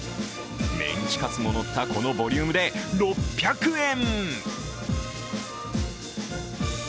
メンチカツものったこのボリュームで、６００円。